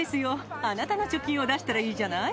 あなたの貯金を出したらいいじゃない？